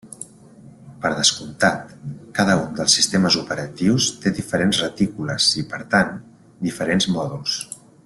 Per descomptat, cada un dels sistemes operatius té diferents retícules i per tant, diferents mòduls.